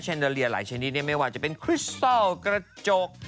ชันดารียนิะหลายชันินนี้ไม่ว่าจะเป็นครีสตอลกระจก